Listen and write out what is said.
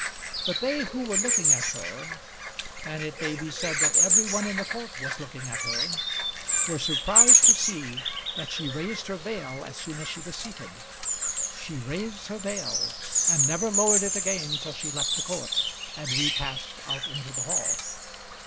But they who were looking at her and it may be said that every one in the court was looking at her were surprised to see that she raised her veil as soon as she was seated. She raised her veil, and never lowered it again till she left the court, and repassed out into the hall.